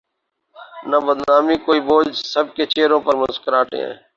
نہ بدنامی کوئی بوجھ سب کے چہروں پر مسکراہٹیں ہیں۔